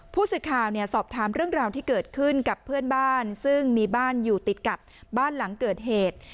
ผู้สื่อข่าวสอบถามเรื่องราวที่เกิดขึ้นกับเพื่อนบ้านซึ่งมีบ้านอยู่ติดกับบ้านหลังเกิดเหตุ